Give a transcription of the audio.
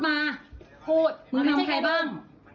มึงทำใครบ้าง